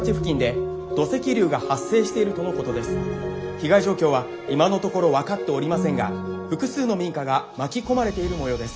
被害状況は今のところ分かっておりませんが複数の民家が巻き込まれているもようです。